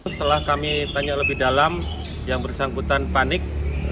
setelah kami tanya lebih dalam yang bersangkutan panik